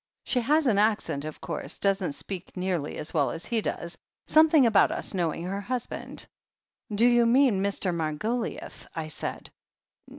She has ah accent, of course— doesn't speak nearly as well as he does. Some thing about us knowing her husband. 'Do you mean Mr. Margoliouth ?' I said.